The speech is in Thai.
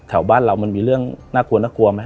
แถวบ้านเรามันมีเรื่องน่ากลัวมั้ย